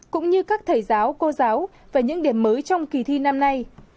cũng như các thầy giáo cô giáo về những điểm mới trong kỳ thi năm nay